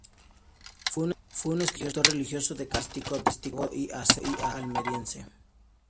Fue un escritor religioso de carácter místico, teólogo y asceta almeriense.